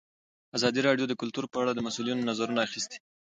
ازادي راډیو د کلتور په اړه د مسؤلینو نظرونه اخیستي.